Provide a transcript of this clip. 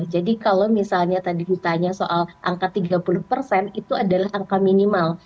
jadi kalau misalnya tadi ditanya soal angka tiga puluh persen itu adalah angka minimal